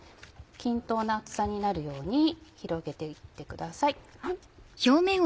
均等な厚さになるように広げて行ってください。